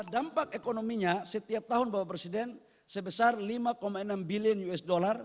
dampak ekonominya setiap tahun bapak presiden sebesar lima enam bilion usd